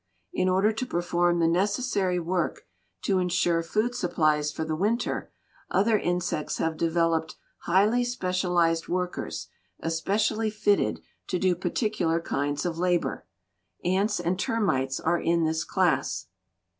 In order to perform the necessary work to insure food supplies for the winter other insects have developed highly specialized workers, especially fitted to do particular kinds of labor. Ants and termites are in this class.